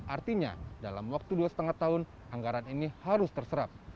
artinya dalam waktu dua lima tahun anggaran ini harus terserap